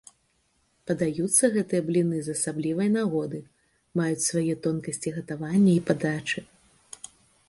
Падаюцца гэтыя бліны з асаблівай нагоды, маюць свае тонкасці гатавання і падачы.